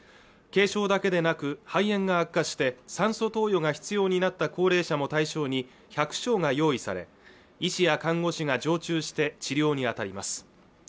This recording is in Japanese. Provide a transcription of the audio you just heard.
軽症だけでなく肺炎が悪化して酸素投与が必要になった高齢者も対象に１００床が用意され医師や看護師が常駐して治療にあたります